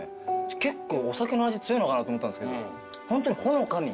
結構お酒の味強いのかなと思ったんですけどホントにほのかに。